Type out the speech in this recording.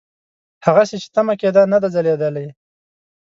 هغسې چې تمه کېده نه ده ځلېدلې.